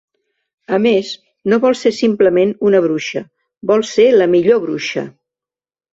A més, no vol ser simplement una bruixa, vol ser la millor bruixa!